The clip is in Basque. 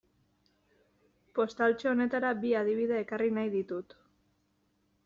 Postaltxo honetara bi adibide ekarri nahi ditut.